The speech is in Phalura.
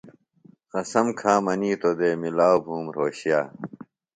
قسم کھا منِیتو دےۡ مِلاؤ بُھوم رھوشے۔